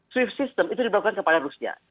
swift system itu dilakukan kepada rusia